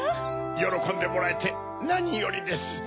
よろこんでもらえてなによりです。